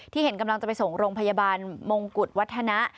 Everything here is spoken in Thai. เห็นกำลังจะไปส่งโรงพยาบาลมงกุฎวัฒนะ